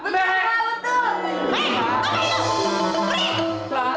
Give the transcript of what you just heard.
be kau mau ini lu